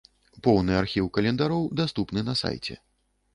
Поўны архіў календароў даступны на сайце.